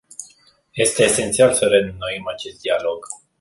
Este esențial să reînnoim acest dialog.